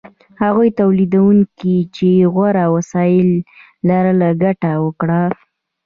هغو تولیدونکو چې غوره وسایل لرل ګټه وکړه.